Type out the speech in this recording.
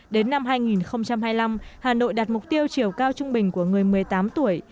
đến năm hai nghìn hai mươi năm hà nội đạt mục tiêu chiều cao trung bình của người một mươi tám tuổi